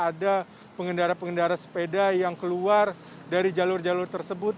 ada pengendara pengendara sepeda yang keluar dari jalur jalur tersebut